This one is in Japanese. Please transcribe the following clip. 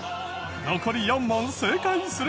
残り４問正解すると。